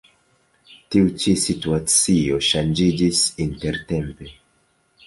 Ĉi tiu situacio ŝanĝiĝis intertempe.